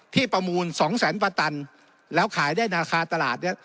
ที่ประมูล๒แสนประตันแล้วขายได้นาคาตลาด